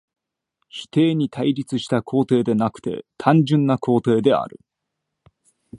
否定に対立した肯定でなくて単純な肯定である。